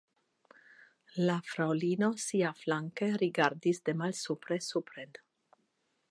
La fraŭlino siaflanke rigardis de malsupre supren.